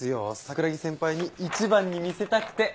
桜樹先輩に１番に見せたくて。